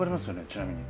ちなみに。